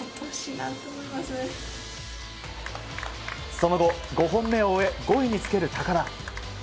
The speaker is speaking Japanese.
その後、５本目を終え５位につける高田。